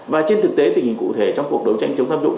và trên thực tế tình hình cụ thể trong cuộc đối tranh chống tham nhũng